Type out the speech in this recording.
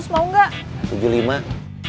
seratus mau gak